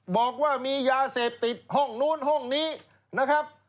บอกว่ามียาเสพติดห้องนู้นห้องนี้นะครับ